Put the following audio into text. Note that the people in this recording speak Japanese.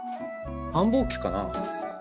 繁忙期かな？